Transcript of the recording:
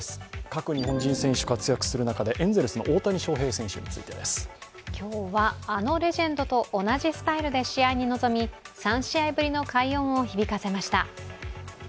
各日本人選手、活躍する中でエンゼルスの大谷翔平選手についてです。今日はあのレジェンドと同じスタイルで試合に臨み、３試合ぶりの快音を響かせました。